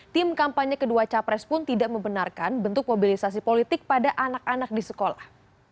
tim kampanye kedua capres pun tidak membenarkan bentuk mobilisasi politik pada anak anak di sekolah